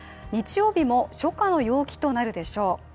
日曜日も初夏の陽気となるでしょう。